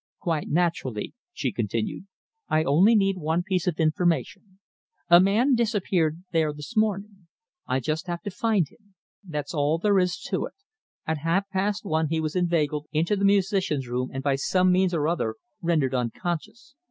"Quite naturally," she continued. "I only need one piece of information. A man disappeared there this morning. I just have to find him. That's all there is about it. At half past one he was inveigled into the musicians' room and by some means or other rendered unconscious.